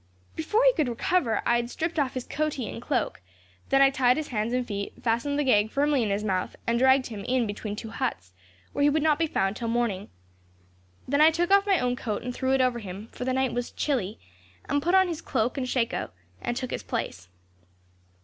"Before he could recover, I had stripped off his coatee and cloak; then I tied his hands and feet, fastened the gag firmly in his mouth, and dragged him in between two huts, where he would not be found till morning. Then I took off my own coat and threw it over him, for the night was chilly, and put on his cloak and shako, and took his place.